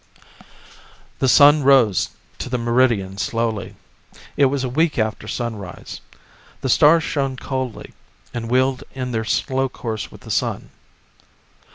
The sun rose to the meridian slowly. It was a week after sunrise. The stars shone coldly, and wheeled in their slow course with the sun.